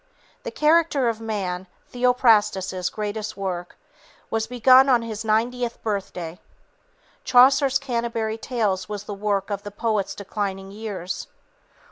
The Character of Man, Theophrastus' greatest work, was begun on his ninetieth birthday. Chaucer's Canterbury Tales was the work of the poet's declining years.